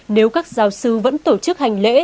nếu các giáo sứ vẫn tổ chức hành lễ